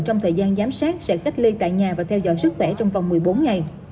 trong thời gian giám sát sẽ cách ly tại nhà và theo dõi sức khỏe trong vòng một mươi bốn ngày